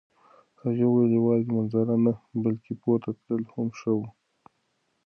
هغې وویل یوازې منظره نه، بلکه پورته تلل هم ښه وو.